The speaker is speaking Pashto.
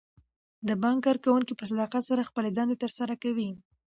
د بانک کارکوونکي په صداقت سره خپلې دندې ترسره کوي.